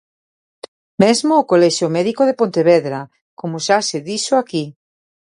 Mesmo o Colexio Médico de Pontevedra, como xa se dixo aquí.